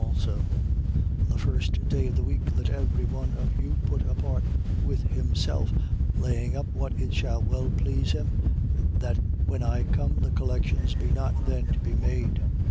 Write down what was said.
On the first day of the week, let every one of you put apart with himself, laying up what it shall well please him: that when I come, the collections be not then to be made.